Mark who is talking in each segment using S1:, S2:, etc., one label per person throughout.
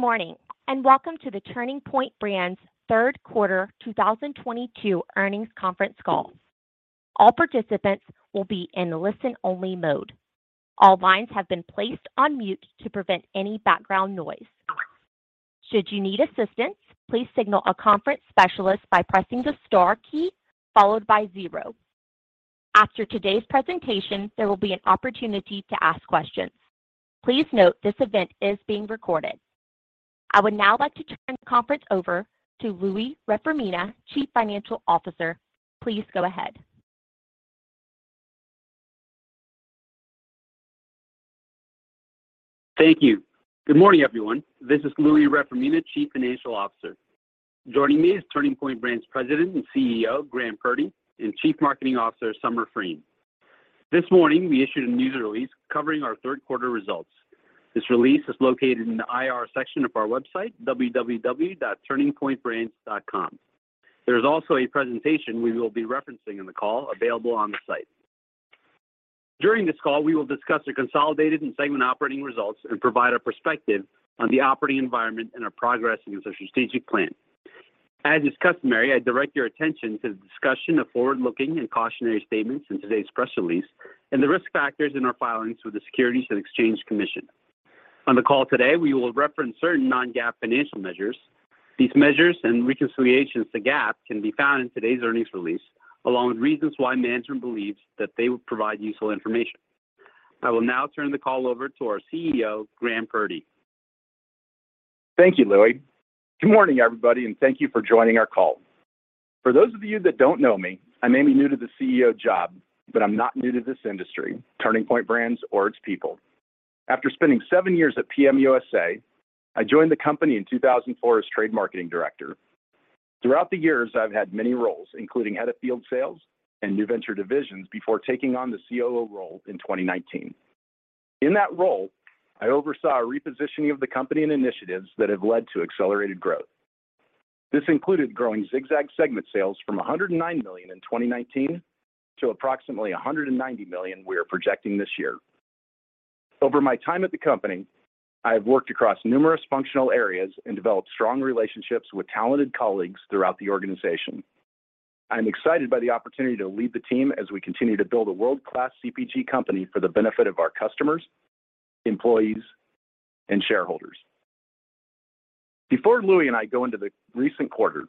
S1: Good morning, and welcome to the Turning Point Brands third quarter 2022 earnings conference call. All participants will be in listen only mode. All lines have been placed on mute to prevent any background noise. Should you need assistance, please signal a conference specialist by pressing the star key followed by zero. After today's presentation, there will be an opportunity to ask questions. Please note this event is being recorded. I would now like to turn the conference over to Louie Reformina, Chief Financial Officer. Please go ahead.
S2: Thank you. Good morning, everyone. This is Louie Reformina, Chief Financial Officer. Joining me is Turning Point Brands President and CEO, Graham Purdy, and Chief Marketing Officer, Summer Frein. This morning, we issued a news release covering our third quarter results. This release is located in the IR section of our website, www.turningpointbrands.com. There is also a presentation we will be referencing in the call available on the site. During this call, we will discuss the consolidated and segment operating results and provide a perspective on the operating environment and our progress against our strategic plan. As is customary, I direct your attention to the discussion of forward-looking and cautionary statements in today's press release and the risk factors in our filings with the Securities and Exchange Commission. On the call today, we will reference certain non-GAAP financial measures. These measures and reconciliations to GAAP can be found in today's earnings release, along with reasons why management believes that they will provide useful information. I will now turn the call over to our CEO, Graham Purdy.
S3: Thank you, Louie. Good morning, everybody, and thank you for joining our call. For those of you that don't know me, I may be new to the CEO job, but I'm not new to this industry, Turning Point Brands or its people. After spending seven years at PM USA, I joined the company in 2004 as Trade Marketing Director. Throughout the years, I've had many roles, including Head of Field Sales and New Venture Divisions before taking on the COO role in 2019. In that role, I oversaw a repositioning of the company and initiatives that have led to accelerated growth. This included growing Zig-Zag segment sales from $109 million in 2019 to approximately $190 million we are projecting this year. Over my time at the company, I have worked across numerous functional areas and developed strong relationships with talented colleagues throughout the organization. I'm excited by the opportunity to lead the team as we continue to build a world-class CPG company for the benefit of our customers, employees, and shareholders. Before Louie and I go into the recent quarter,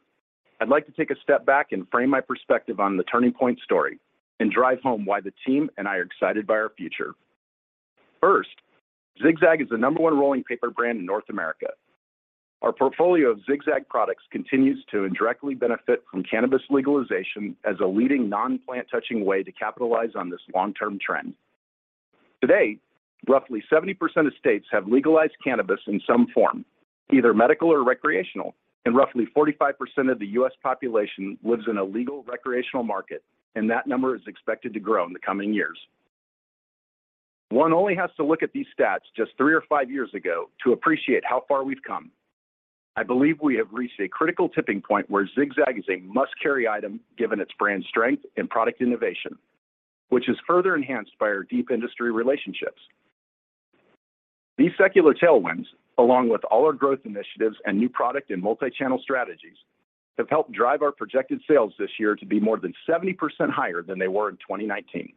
S3: I'd like to take a step back and frame my perspective on the Turning Point story and drive home why the team and I are excited by our future. First, Zig-Zag is the number one rolling paper brand in North America. Our portfolio of Zig-Zag products continues to indirectly benefit from cannabis legalization as a leading non-plant touching way to capitalize on this long-term trend. Today, roughly 70% of states have legalized cannabis in some form, either medical or recreational, and roughly 45% of the U.S. population lives in a legal recreational market, and that number is expected to grow in the coming years. One only has to look at these stats just three or five years ago to appreciate how far we've come. I believe we have reached a critical tipping point where Zig-Zag is a must-carry item given its brand strength and product innovation, which is further enhanced by our deep industry relationships. These secular tailwinds, along with all our growth initiatives and new product and multi-channel strategies, have helped drive our projected sales this year to be more than 70% higher than they were in 2019.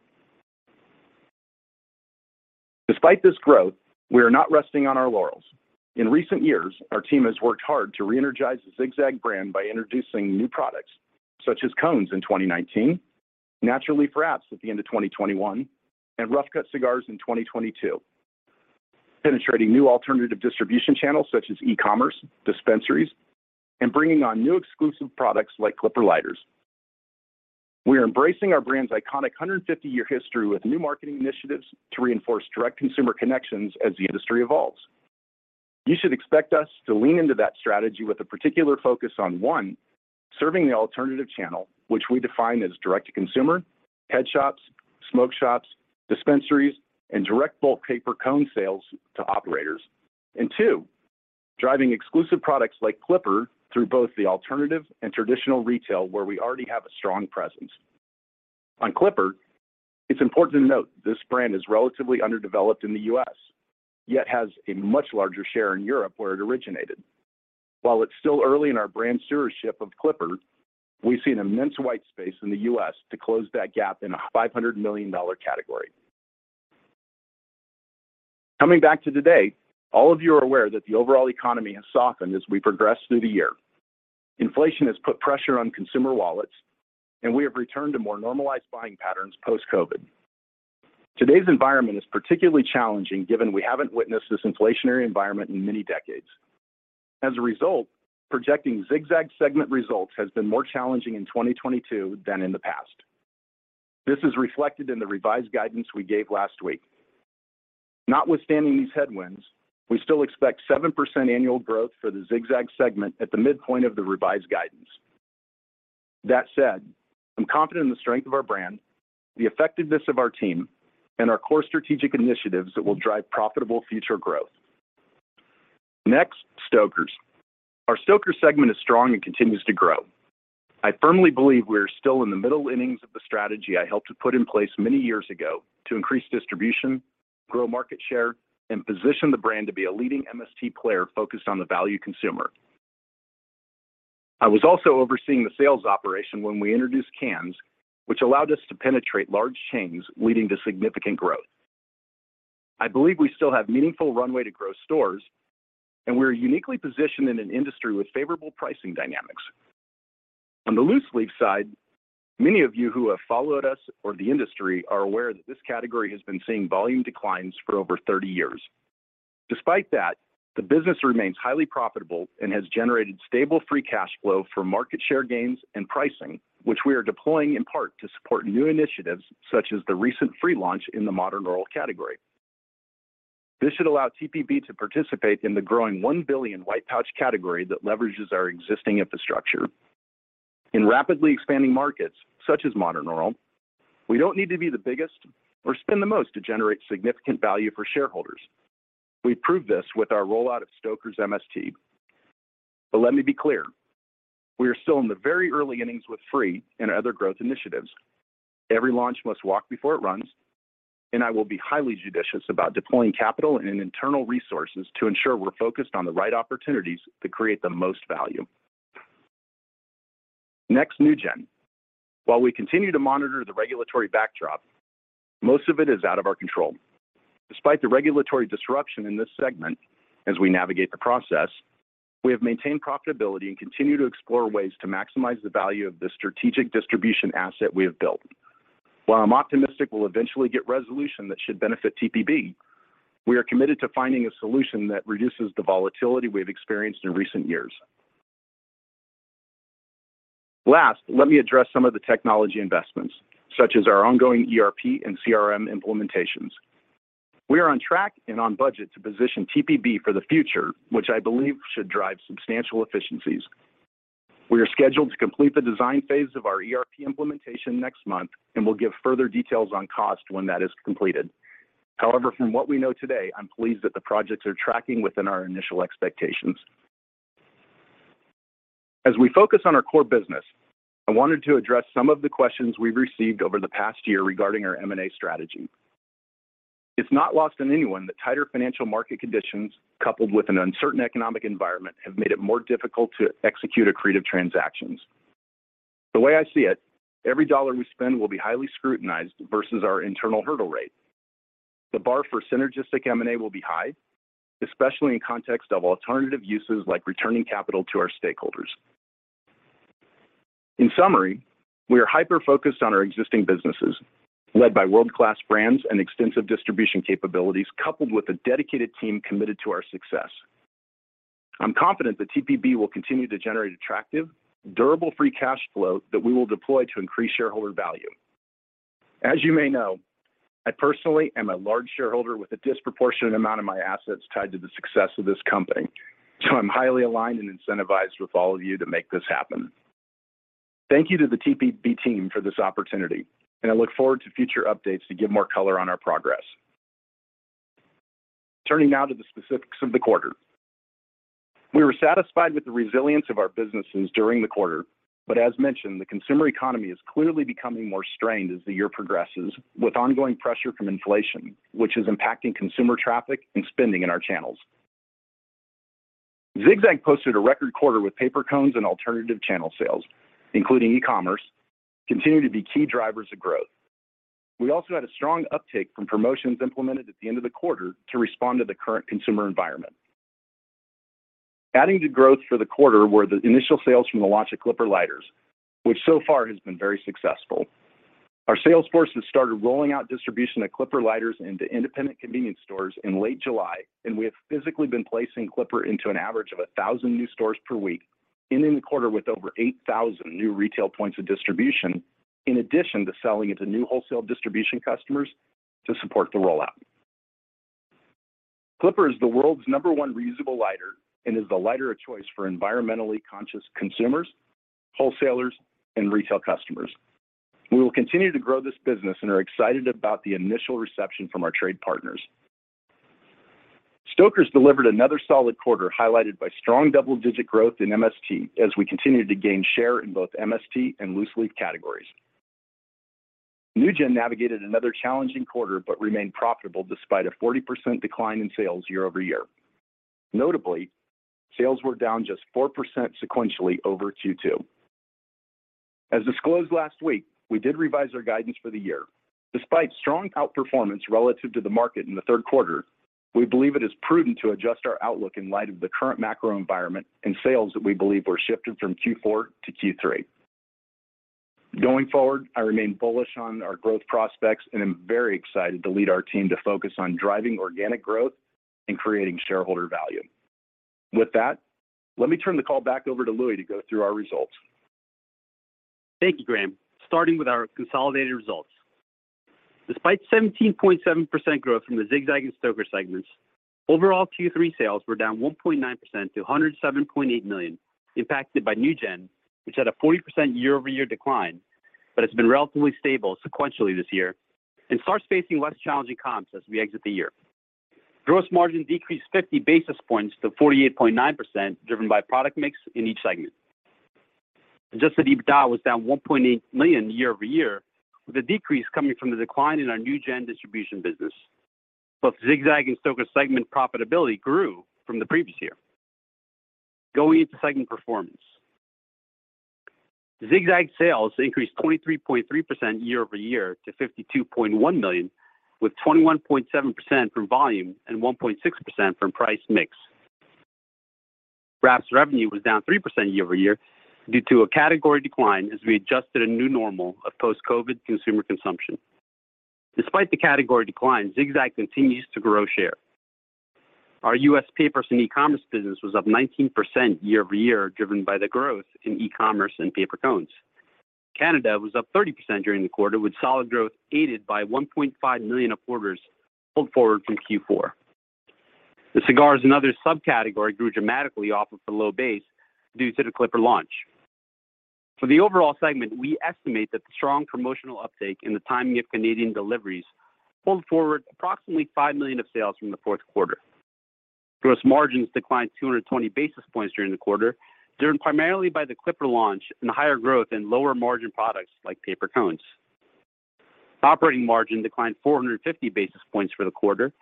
S3: Despite this growth, we are not resting on our laurels. In recent years, our team has worked hard to reenergize the Zig-Zag brand by introducing new products such as cones in 2019, natural leaf wraps at the end of 2021, and rough cut cigars in 2022, penetrating new alternative distribution channels such as e-commerce, dispensaries, and bringing on new exclusive products like Clipper lighters. We are embracing our brand's iconic 150-year history with new marketing initiatives to reinforce direct consumer connections as the industry evolves. You should expect us to lean into that strategy with a particular focus on, one, serving the alternative channel, which we define as direct to consumer, head shops, smoke shops, dispensaries, and direct bulk paper cone sales to operators. Two, driving exclusive products like Clipper through both the alternative and traditional retail where we already have a strong presence. On Clipper, it's important to note this brand is relatively underdeveloped in the U.S., yet has a much larger share in Europe where it originated. While it's still early in our brand stewardship of Clipper, we see an immense white space in the U.S. to close that gap in a $500 million category. Coming back to today, all of you are aware that the overall economy has softened as we progress through the year. Inflation has put pressure on consumer wallets, and we have returned to more normalized buying patterns post-COVID. Today's environment is particularly challenging given we haven't witnessed this inflationary environment in many decades. As a result, projecting Zig-Zag segment results has been more challenging in 2022 than in the past. This is reflected in the revised guidance we gave last week. Notwithstanding these headwinds, we still expect 7% annual growth for the Zig-Zag segment at the midpoint of the revised guidance. That said, I'm confident in the strength of our brand, the effectiveness of our team, and our core strategic initiatives that will drive profitable future growth. Next, our Stoker's segment is strong and continues to grow. I firmly believe we're still in the middle innings of the strategy I helped to put in place many years ago to increase distribution, grow market share, and position the brand to be a leading MST player focused on the value consumer. I was also overseeing the sales operation when we introduced cans, which allowed us to penetrate large chains leading to significant growth. I believe we still have meaningful runway to grow stores, and we're uniquely positioned in an industry with favorable pricing dynamics. On the loose-leaf side, many of you who have followed us or the industry are aware that this category has been seeing volume declines for over 30 years. Despite that, the business remains highly profitable and has generated stable free cash flow for market share gains and pricing, which we are deploying in part to support new initiatives such as the recent Frē launch in the Modern Oral category. This should allow TPB to participate in the growing $1 billion white pouch category that leverages our existing infrastructure. In rapidly expanding markets, such as Modern Oral, we don't need to be the biggest or spend the most to generate significant value for shareholders. We proved this with our rollout of Stoker's MST. Let me be clear, we are still in the very early innings with Frē and other growth initiatives. Every launch must walk before it runs, and I will be highly judicious about deploying capital and internal resources to ensure we're focused on the right opportunities to create the most value. Next, NewGen. While we continue to monitor the regulatory backdrop, most of it is out of our control. Despite the regulatory disruption in this segment as we navigate the process, we have maintained profitability and continue to explore ways to maximize the value of the strategic distribution asset we have built. While I'm optimistic we'll eventually get resolution that should benefit TPB, we are committed to finding a solution that reduces the volatility we have experienced in recent years. Last, let me address some of the technology investments, such as our ongoing ERP and CRM implementations. We are on track and on budget to position TPB for the future, which I believe should drive substantial efficiencies. We are scheduled to complete the design phase of our ERP implementation next month, and we'll give further details on cost when that is completed. However, from what we know today, I'm pleased that the projects are tracking within our initial expectations. As we focus on our core business, I wanted to address some of the questions we've received over the past year regarding our M&A strategy. It's not lost on anyone that tighter financial market conditions, coupled with an uncertain economic environment, have made it more difficult to execute accretive transactions. The way I see it, every dollar we spend will be highly scrutinized versus our internal hurdle rate. The bar for synergistic M&A will be high, especially in context of alternative uses like returning capital to our stakeholders. In summary, we are hyper-focused on our existing businesses, led by world-class brands and extensive distribution capabilities, coupled with a dedicated team committed to our success. I'm confident that TPB will continue to generate attractive, durable free cash flow that we will deploy to increase shareholder value. As you may know, I personally am a large shareholder with a disproportionate amount of my assets tied to the success of this company, so I'm highly aligned and incentivized with all of you to make this happen. Thank you to the TPB team for this opportunity, and I look forward to future updates to give more color on our progress. Turning now to the specifics of the quarter. We were satisfied with the resilience of our businesses during the quarter, but as mentioned, the consumer economy is clearly becoming more strained as the year progresses with ongoing pressure from inflation, which is impacting consumer traffic and spending in our channels. Zig-Zag posted a record quarter, with paper cones and alternative channel sales, including e-commerce, continue to be key drivers of growth. We also had a strong uptick from promotions implemented at the end of the quarter to respond to the current consumer environment. Adding to growth for the quarter were the initial sales from the launch of Clipper lighters, which so far has been very successful. Our sales force has started rolling out distribution of Clipper lighters into independent convenience stores in late July, and we have physically been placing Clipper into an average of 1,000 new stores per week, ending the quarter with over 8,000 new retail points of distribution. In addition to selling into new wholesale distribution customers to support the rollout. Clipper is the world's number one reusable lighter and is the lighter of choice for environmentally conscious consumers, wholesalers, and retail customers. We will continue to grow this business and are excited about the initial reception from our trade partners. Stoker's delivered another solid quarter, highlighted by strong double-digit growth in MST as we continued to gain share in both MST and loose-leaf categories. NewGen navigated another challenging quarter but remained profitable despite a 40% decline in sales year-over-year. Notably, sales were down just 4% sequentially over Q2. As disclosed last week, we did revise our guidance for the year. Despite strong outperformance relative to the market in the third quarter, we believe it is prudent to adjust our outlook in light of the current macro environment and sales that we believe were shifted from Q4 to Q3. Going forward, I remain bullish on our growth prospects and am very excited to lead our team to focus on driving organic growth and creating shareholder value. With that, let me turn the call back over to Louie to go through our results.
S2: Thank you, Graham. Starting with our consolidated results. Despite 17.7% growth from the Zig-Zag and Stoker's segments, overall Q3 sales were down 1.9% to $107.8 million, impacted by NewGen, which had a 40% year-over-year decline, but has been relatively stable sequentially this year and starts facing less challenging comps as we exit the year. Gross margin decreased 50 basis points to 48.9%, driven by product mix in each segment. Adjusted EBITDA was down $1.8 million year over year, with a decrease coming from the decline in our NewGen distribution business. Both Zig-Zag and Stoker's segment profitability grew from the previous year. Going into segment performance. Zig-Zag sales increased 23.3% year-over-year to $52.1 million, with 21.7% from volume and 1.6% from price mix. Wraps revenue was down 3% year-over-year due to a category decline as we adjusted a new normal of post-COVID consumer consumption. Despite the category decline, Zig-Zag continues to grow share. Our U.S. papers and e-commerce business was up 19% year-over-year, driven by the growth in e-commerce and paper cones. Canada was up 30% during the quarter, with solid growth aided by $1.5 million of orders pulled forward from Q4. The cigars and other subcategory grew dramatically off of the low base due to the Clipper launch. For the overall segment, we estimate that the strong promotional uptake and the timing of Canadian deliveries pulled forward approximately $5 million of sales from the fourth quarter. Gross margins declined 220 basis points during the quarter, driven primarily by the Clipper launch and higher growth in lower margin products like paper cones. Operating margin declined 450 basis points for the quarter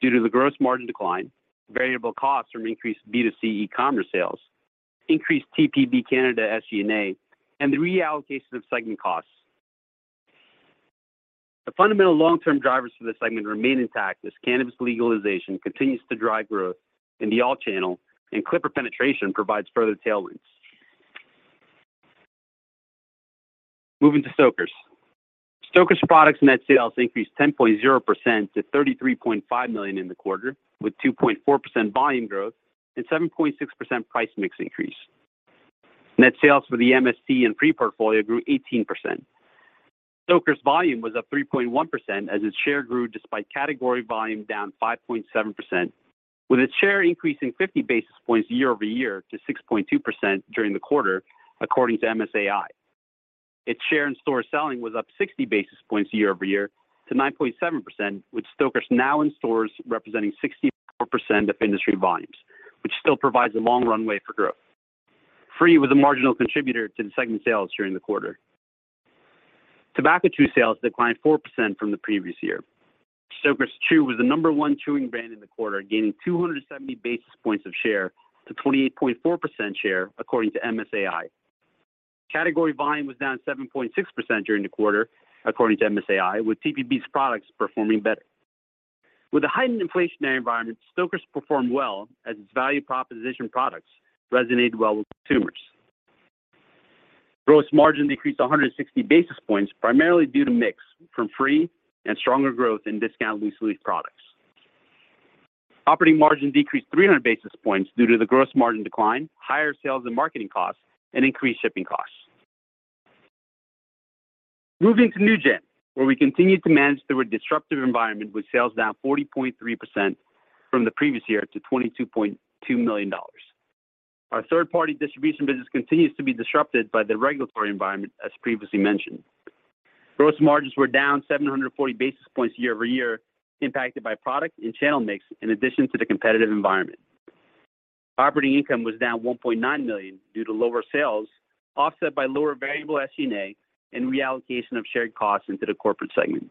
S2: due to the gross margin decline, variable costs from increased B2C e-commerce sales, increased TPB Canada SG&A, and the reallocation of segment costs. The fundamental long-term drivers for the segment remain intact as cannabis legalization continues to drive growth in the all channel, and Clipper penetration provides further tailwinds. Moving to Stoker's. Stoker's products net sales increased 10.0% to $33.5 million in the quarter, with 2.4% volume growth and 7.6% price mix increase. Net sales for the MST and Frē portfolio grew 18%. Stoker's volume was up 3.1% as its share grew despite category volume down 5.7%, with its share increasing 50 basis points year-over-year to 6.2% during the quarter, according to MSAI. Its share in-store selling was up 60 basis points year-over-year to 9.7%, with Stoker's now in stores representing 64% of industry volumes, which still provides a long runway for growth. Frē was a marginal contributor to the segment sales during the quarter. Tobacco chew sales declined 4% from the previous year. Stoker's Chew was the number one chewing brand in the quarter, gaining 270 basis points of share to 28.4% share, according to MSAI. Category volume was down 7.6% during the quarter, according to MSAI, with TPB's products performing better. With a heightened inflationary environment, Stoker's performed well as its value proposition products resonated well with consumers. Gross margin decreased 160 basis points, primarily due to mix from Frē and stronger growth in discount loose leaf products. Operating margin decreased 300 basis points due to the gross margin decline, higher sales and marketing costs, and increased shipping costs. Moving to NewGen, where we continue to manage through a disruptive environment with sales down 40.3% from the previous year to $22.2 million. Our third-party distribution business continues to be disrupted by the regulatory environment, as previously mentioned. Gross margins were down 740 basis points year-over-year, impacted by product and channel mix in addition to the competitive environment. Operating income was down $1.9 million due to lower sales, offset by lower variable SG&A and reallocation of shared costs into the corporate segment.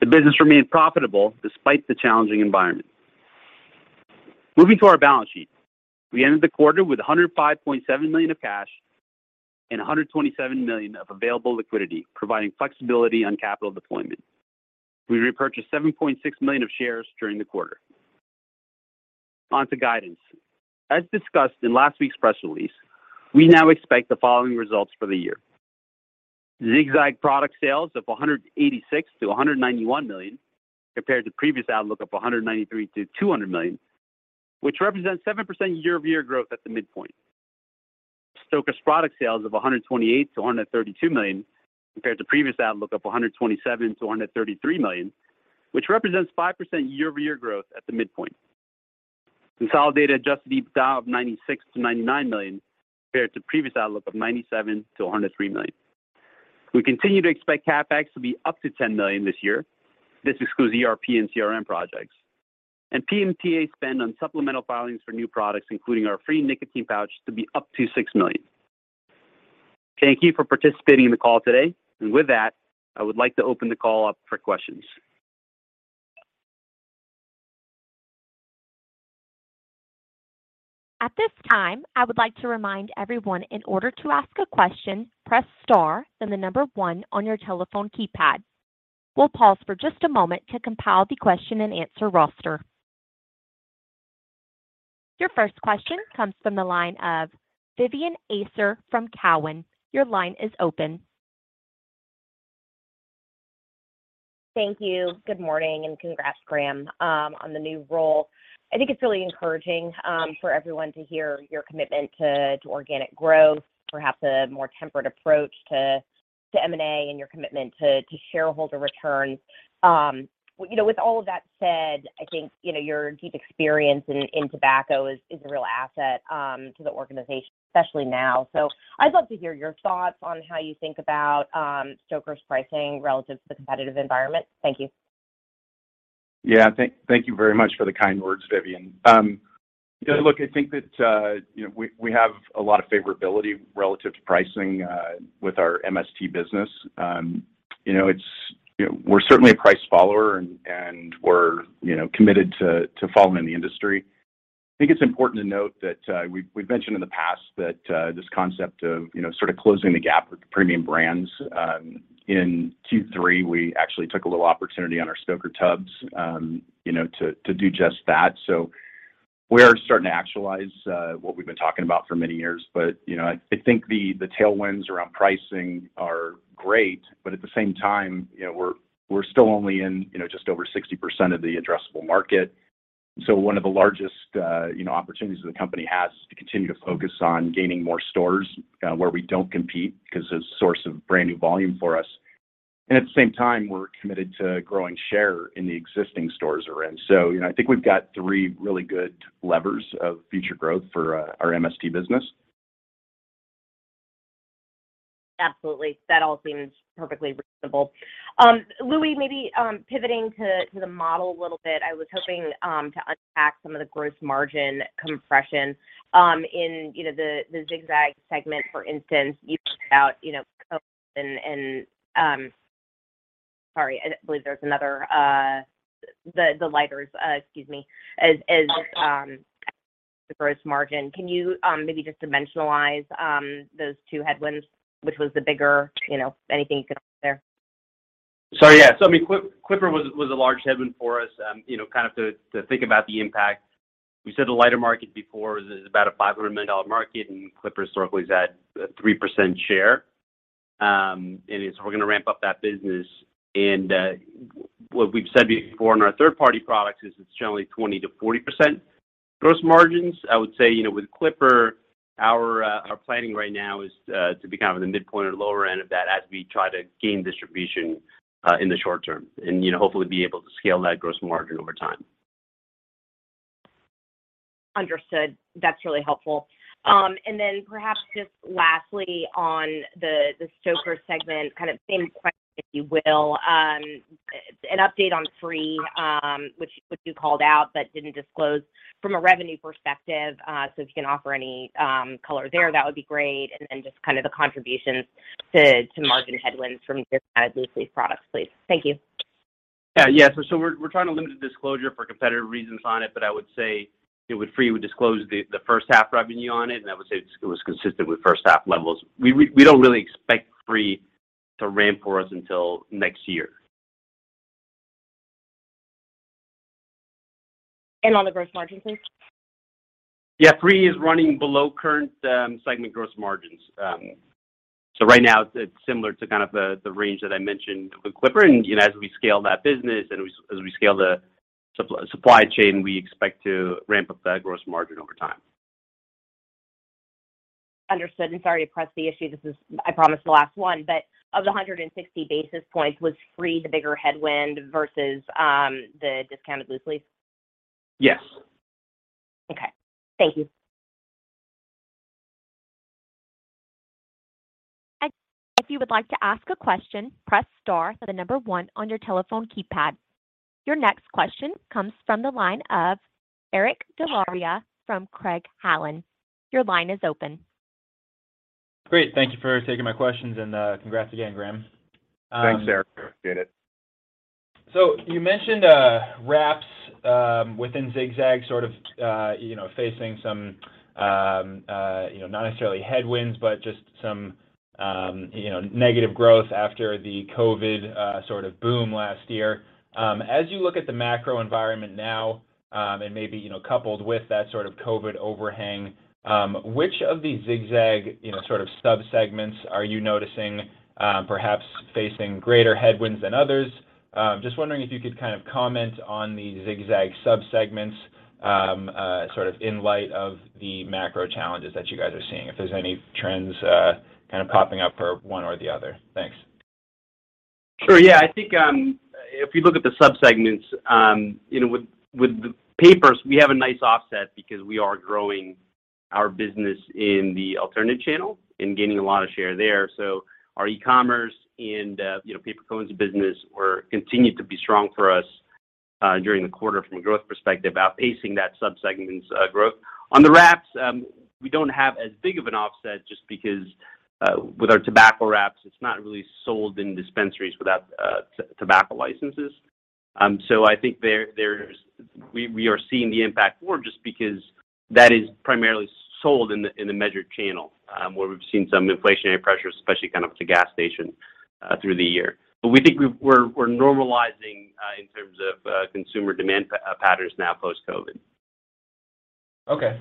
S2: The business remained profitable despite the challenging environment. Moving to our balance sheet. We ended the quarter with $105.7 million of cash and $127 million of available liquidity, providing flexibility on capital deployment. We repurchased 7.6 million shares during the quarter. On to guidance. As discussed in last week's press release, we now expect the following results for the year. Zig-Zag product sales of $186 million-$191 million, compared to previous outlook of $193 million-$200 million, which represents 7% year-over-year growth at the midpoint. Stoker's product sales of $128 million-$132 million, compared to previous outlook of $127 million-$133 million, which represents 5% year-over-year growth at the midpoint. Consolidated adjusted EBITDA of $96 million-$99 million, compared to previous outlook of $97 million-$103 million. We continue to expect CapEx to be up to $10 million this year. This excludes ERP and CRM projects. PMTA spend on supplemental filings for new products, including our Frē nicotine pouch, to be up to $6 million. Thank you for participating in the call today. With that, I would like to open the call up for questions.
S1: At this time, I would like to remind everyone in order to ask a question, press star then one on your telephone keypad. We'll pause for just a moment to compile the question and answer roster. Your first question comes from the line of Vivien Azer from Cowen. Your line is open.
S4: Thank you. Good morning, and congrats, Graham, on the new role. I think it's really encouraging for everyone to hear your commitment to organic growth, perhaps a more temperate approach to M&A and your commitment to shareholder returns. You know, with all of that said, I think, you know, your deep experience in tobacco is a real asset to the organization, especially now. I'd love to hear your thoughts on how you think about Stoker's pricing relative to the competitive environment. Thank you.
S3: Yeah. Thank you very much for the kind words, Vivien. Yeah, look, I think that you know, we have a lot of favorability relative to pricing with our MST business. You know, we're certainly a price follower and we're you know, committed to following the industry. I think it's important to note that we've mentioned in the past that this concept of you know, sort of closing the gap with premium brands. In Q3, we actually took a little opportunity on our Stoker's tubs you know, to do just that. We are starting to actualize what we've been talking about for many years. You know, I think the tailwinds around pricing are great, but at the same time, you know, we're still only in, you know, just over 60% of the addressable market. One of the largest, you know, opportunities that the company has is to continue to focus on gaining more stores, where we don't compete because it's a source of brand new volume for us. At the same time, we're committed to growing share in the existing stores we're in. You know, I think we've got three really good levers of future growth for our MST business.
S4: Absolutely. That all seems perfectly reasonable. Louie, maybe pivoting to the model a little bit. I was hoping to unpack some of the gross margin compression in the Zig-Zag segment, for instance. You pointed out, you know, COVID and the lighters. Sorry, I believe there was another. Excuse me. Is the gross margin. Can you maybe just dimensionalize those two headwinds, which was the bigger, you know. Anything you could offer there?
S2: Yeah. I mean, Clipper was a large headwind for us. You know, kind of to think about the impact. We said the lighter market before is about a $500 million market, and Clipper historically has had a 3% share. We're gonna ramp up that business. What we've said before in our third-party products is it's generally 20%-40% gross margins. I would say, you know, with Clipper, our planning right now is to be kind of in the midpoint or lower end of that as we try to gain distribution in the short term and, you know, hopefully be able to scale that gross margin over time.
S4: Understood. That's really helpful. Perhaps just lastly on the Stoker's segment, kind of same question, if you will. An update on Frē, which you called out, but didn't disclose from a revenue perspective. If you can offer any color there, that would be great. Just kind of the contributions to margin headwinds from discounted loose-leaf products, please. Thank you.
S2: Yeah. We're trying to limit disclosure for competitive reasons on it. But I would say with FRĒ, we disclosed the first half revenue on it, and I would say it was consistent with first half levels. We don't really expect FRE to ramp for us until next year.
S4: On the gross margin, please?
S2: Yeah, FRĒ is running below current segment gross margins. Right now it's similar to kind of the range that I mentioned with Clipper. You know, as we scale that business as we scale the supply chain, we expect to ramp up that gross margin over time.
S4: Understood, and sorry to press the issue. This is, I promise, the last one. Of the 160 basis points, was FRE the bigger headwind versus the discounted loose leaf?
S2: Yes.
S4: Okay. Thank you.
S1: If you would like to ask a question, press star then the number one on your telephone keypad. Your next question comes from the line of Eric Des Lauriers from Craig-Hallum. Your line is open.
S5: Great. Thank you for taking my questions and congrats again, Graham.
S3: Thanks, Eric. Appreciate it.
S5: You mentioned wraps within Zig-Zag, sort of, you know, facing some, you know, negative growth after the COVID, sort of boom last year. As you look at the macro environment now, and maybe, you know, coupled with that sort of COVID overhang, which of the Zig-Zag, you know, sort of sub-segments are you noticing, perhaps facing greater headwinds than others? Just wondering if you could kind of comment on the Zig-Zag sub-segments, sort of in light of the macro challenges that you guys are seeing, if there's any trends, kind of popping up for one or the other. Thanks.
S2: Sure. Yeah. I think if you look at the sub-segments, you know, with the papers, we have a nice offset because we are growing our business in the alternate channel and gaining a lot of share there. So our e-commerce and you know paper cones business continued to be strong for us during the quarter from a growth perspective, outpacing that sub-segment's growth. On the wraps, we don't have as big of an offset just because with our tobacco wraps, it's not really sold in dispensaries without tobacco licenses. So I think there we are seeing the impact more just because that is primarily sold in the measured channel where we've seen some inflationary pressures, especially kind of at gas stations through the year. We think we're normalizing in terms of consumer demand patterns now post-COVID.
S5: Okay,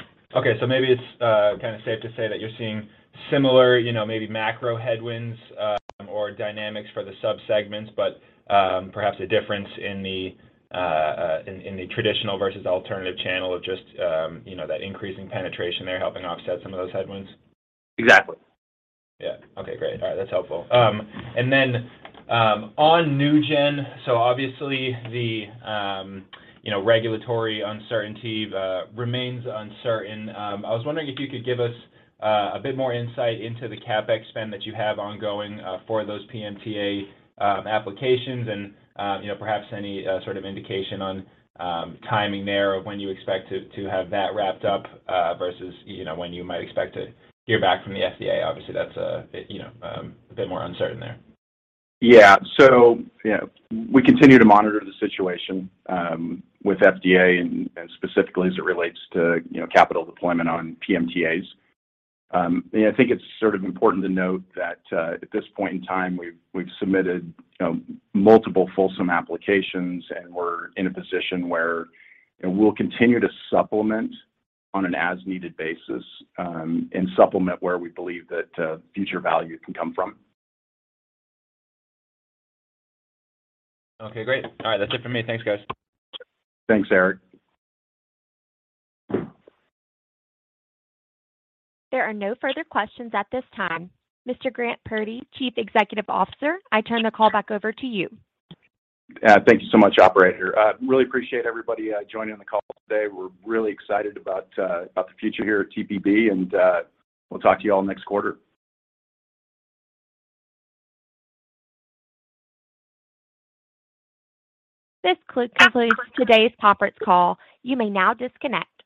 S5: maybe it's kind of safe to say that you're seeing similar, you know, maybe macro headwinds or dynamics for the sub-segments, but perhaps a difference in the traditional versus alternative channel of just, you know, that increasing penetration there helping offset some of those headwinds.
S2: Exactly.
S5: Yeah. Okay, great. All right. That's helpful. On NewGen, obviously the you know, regulatory uncertainty remains uncertain. I was wondering if you could give us a bit more insight into the CapEx spend that you have ongoing for those PMTA applications and you know, perhaps any sort of indication on timing there of when you expect to have that wrapped up versus, you know, when you might expect to hear back from the FDA. Obviously, that's a bit you know, a bit more uncertain there.
S3: Yeah. You know, we continue to monitor the situation with FDA and specifically as it relates to, you know, capital deployment on PMTAs. You know, I think it's sort of important to note that at this point in time, we've submitted, you know, multiple PMTA applications, and we're in a position where, you know, we'll continue to supplement on an as-needed basis, and supplement where we believe that future value can come from.
S5: Okay, great. All right. That's it for me. Thanks, guys.
S3: Thanks, Eric.
S1: There are no further questions at this time. Mr. Graham Purdy, Chief Executive Officer, I turn the call back over to you.
S3: Yeah. Thank you so much, operator. Really appreciate everybody joining the call today. We're really excited about the future here at TPB, and we'll talk to you all next quarter.
S1: This concludes today's conference call. You may now disconnect.